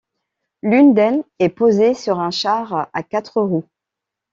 L'une d'elles est posée sur un char à quatre roues.